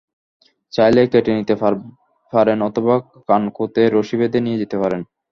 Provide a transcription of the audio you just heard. চাইলে কেটে নিতে পারেন অথবা কানকোতে রশি বেঁধে নিয়ে যেতে পারেন।